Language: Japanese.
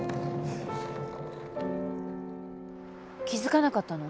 気づかなかったの？